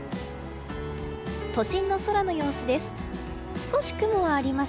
都心の空の様子です。